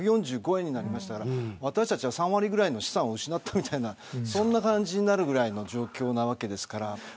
私たちは３割ぐらいの資産を失ったみたいなそんな感じになるぐらいの状況なわけですから。